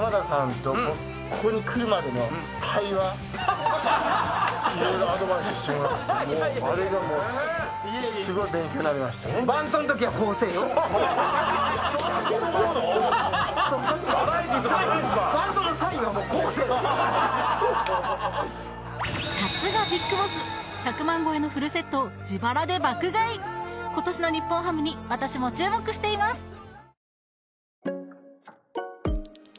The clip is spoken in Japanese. さすがビッグボス今年の日本ハムに私も注目しています！